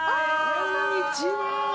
◆こんにちは。